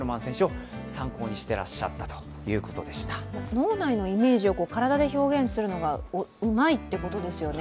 脳内のイメージを体で表現するのがうまいってことですよね。